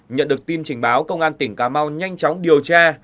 nhận được tin trình báo công an tỉnh cà mau nhanh chóng điều tra